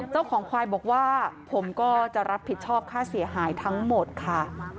เจ้าของควายบอกว่าผมก็จะรับผิดชอบค่าเสียหายทั้งหมดค่ะ